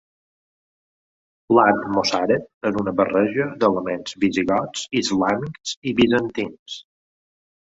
L'art mossàrab és una barreja d'elements visigots, islàmics i bizantins.